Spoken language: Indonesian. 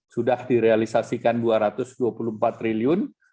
sudah direalisasikan rp dua ratus dua puluh empat triliun